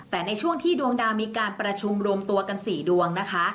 แต่ในช่วงที่ดวงดาวมีการประชุมรวมตัวกัน๔ดวงนะคะ